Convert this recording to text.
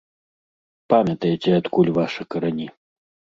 Памятайце, адкуль вашы карані.